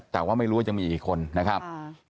แต่ว่าไม่รู้ว่าจะมีกี่คนนะครับ